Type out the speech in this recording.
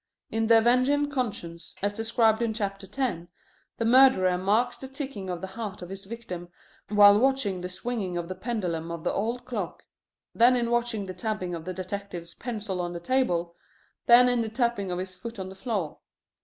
In The Avenging Conscience, as described in chapter ten, the murderer marks the ticking of the heart of his victim while watching the swinging of the pendulum of the old clock, then in watching the tapping of the detective's pencil on the table, then in the tapping of his foot on the floor.